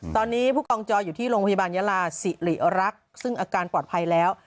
ตอนนี้ผู้กองจอยอยู่ที่โรงพยาบาลยาลาสิริรักษ์ซึ่งอาการปลอดภัยแล้ว